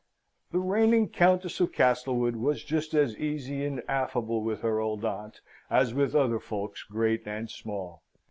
The reigning Countess of Castlewood was just as easy and affable with her old aunt, as with other folks great and small.